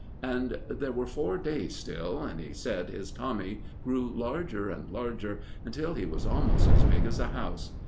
And there were four days still, and he said his Tommy grew larger and larger, until he was almost as big as a house.